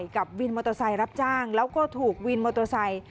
กับวินมอเตอร์ไซค์รับจ้างแล้วก็ถูกวินมอเตอร์ไซค์